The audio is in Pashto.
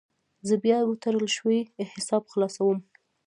زه بیا وتړل شوی حساب خلاصوم.